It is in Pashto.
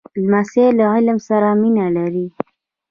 لمسی له علم سره مینه لري.